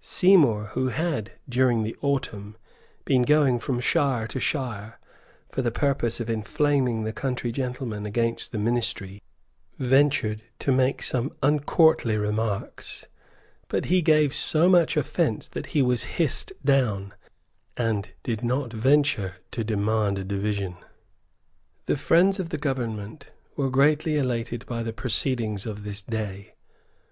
Seymour, who had, during the autumn, been going from shire to shire, for the purpose of inflaming the country gentlemen against the ministry, ventured to make some uncourtly remarks; but he gave so much offence that he was hissed down, and did not venture to demand a division. The friends of the Government were greatly elated by the proceedings of this day.